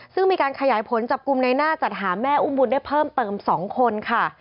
ซึ่งมีการขยายผลจับกลุ่มในหน้าจัดหาแม่อุ้มบุญได้เพิ่มเติม๒คนค่ะ